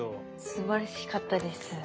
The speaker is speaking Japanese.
すばらしかったです。